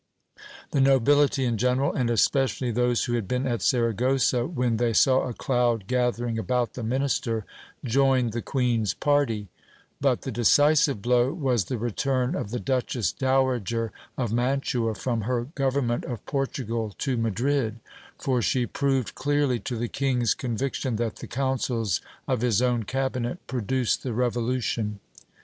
The nobility in general, and especially those who had been at Saragossa, when they saw a cloud gathering about the minister, joined the queen's party :* but the decisive blow was the return of the duchess dowager of Mantua from her government of Portugal to Madrid ; for she proved clearly to the king's convic tion that the counsels of his own cabinet produced the revolution.